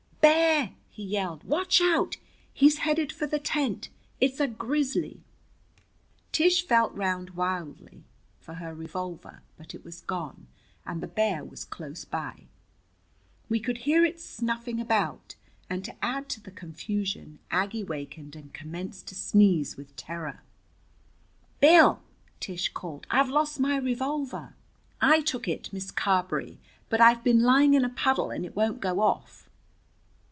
"Bear!" he yelled. "Watch out, he's headed for the tent! It's a grizzly." Tish felt round wildly for her revolver, but it was gone! And the bear was close by. We could hear it snuffing about, and to add to the confusion Aggie wakened and commenced to sneeze with terror. "Bill!" Tish called. "I've lost my revolver!" "I took it, Miss Carberry. But I've been lying in a puddle, and it won't go off."